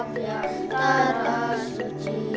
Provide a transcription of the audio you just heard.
ketika dapur itu berfungsi